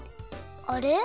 あれ？